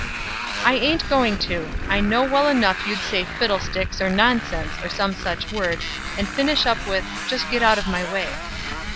"I ain't going to. I know well enough you'd say 'fiddlesticks' or 'nonsense,' or some such word, and finish up with 'Just get out of my way.'"